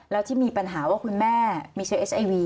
แล้วที่มีปัญหาว่าคุณแม่มีเชลเอสไอวี